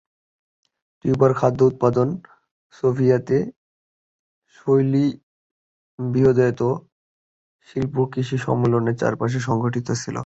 কিউবার খাদ্য উৎপাদন সোভিয়েত-শৈলী, বৃহদায়তন, শিল্প কৃষি সমবায়ের চারপাশে সংগঠিত ছিল।